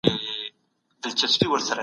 د بدن صفايي نیم ایمان دی.